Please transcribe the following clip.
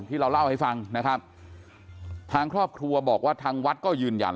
ที่เราเล่าให้ฟังนะครับทางครอบครัวบอกว่าทางวัดก็ยืนยัน